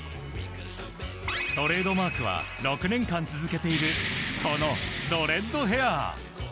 トレードマークは６年間続けているドレッドヘア。